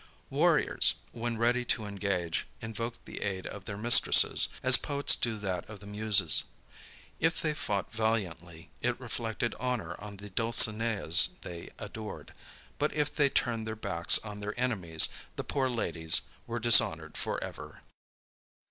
Warriors, when ready to engage, invoked the aid of their mistresses, as poets do that of the Muses. If they fought valiantly, it reflected honor on the Dulcineas they adored; but if they turned their backs on their enemies, the poor ladies were dishonored forever.